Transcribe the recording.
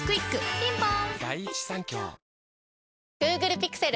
ピンポーン